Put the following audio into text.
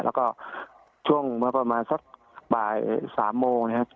แล้วก็ช่วงประมาณสักบายสามโมงนะฮะ